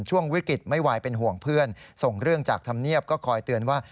ช่วงวิกฤตไม่ไหวเป็นห่วงเพื่อนส่งเรื่องจากธรรมเนียบก็คอยเตือนว่า